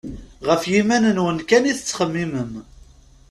Γef yiman-nwen kan i tettxemmimem.